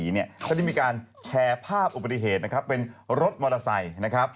เขาที่มีการแชร์ภาพอุปสริเทศเป็นรถมอเตอร์ไซต์